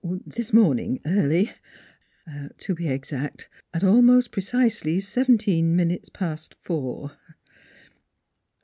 "This morning, early; to be exact, at almost precisely seventeen minutes past four."